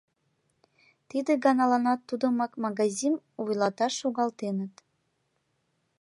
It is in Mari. Тиде ганаланат тудымак «магазим» вуйлаташ шогалтеныт